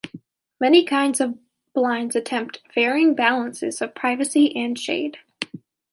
Many kinds of blinds attempt varying balances of privacy and shade.